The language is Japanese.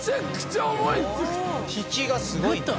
引きがすごいな。